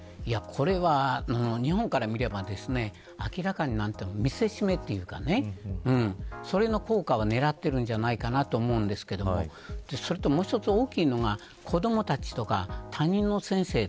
これは日本から見れば明らかに見せしめというかその効果を狙っているんじゃないかと思うんですけどそれともう一つ大きいのが子どもたちとか担任の先生